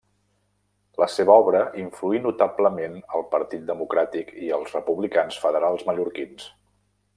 La seva obra influí notablement el Partit Democràtic i els republicans federals mallorquins.